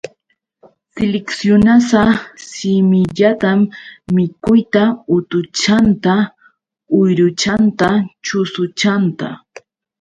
Siliksyunasa simillatam mikuyta, utuchanta, uyruchanta, chusuchanta.